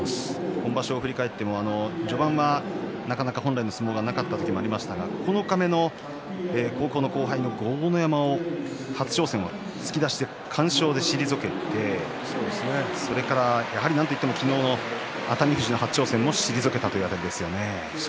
今場所を振り返っても序盤はなかなか本来の相撲がなかった時がありましたが九日目の高校の後輩の豪ノ山の初挑戦を突き出しで完勝で退けてそれがやはりなんといっても昨日の熱海富士の初挑戦を退けた辺りですよね。